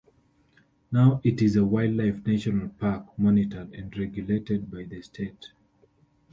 Now it is a wildlife national park, monitored and regulated by the state.